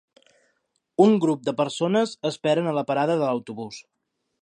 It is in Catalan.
Un grup de persones esperen a la parada de l'autobús.